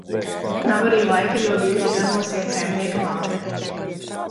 Nav arī laika, jo bieži ganos iet saimnieka māte.